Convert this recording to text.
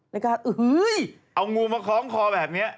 ในการอือหื้ยเอางูมาคล้องคอแบบนเนี่ย